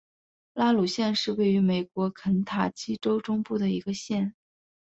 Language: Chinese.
拉鲁县是位于美国肯塔基州中部的一个县。